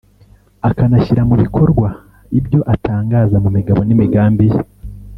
akanashyira mu bikorwa ibyo atangaza mu migabo n’imigambi ye